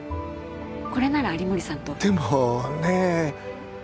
これなら有森さんとでもねえ